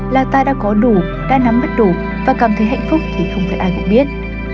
là ta đã có đủ đã nắm bắt đủ và cảm thấy hạnh phúc thì không biết ai cũng biết